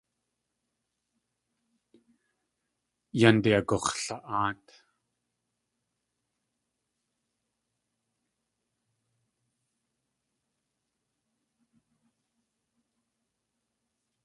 Yánde agux̲la.áat.